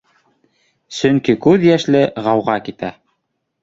Сөнки күҙ йәшле ғауға китә.